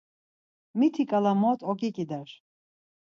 Mitiǩala mot oǩiǩider!